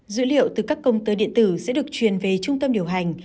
dữ liệu từ các công tơ điện tử sẽ được truyền về trung tâm điều hành